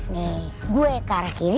nih gue ke arah kiri